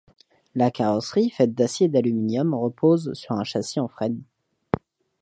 La carrosserie, faite d’acier et d’aluminium, repose sur un châssis en frêne.